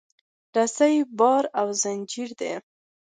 رسۍ د باور زنجیر دی.